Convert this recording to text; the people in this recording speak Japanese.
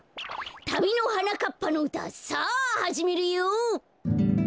たびのはなかっぱのうたさあはじめるよ！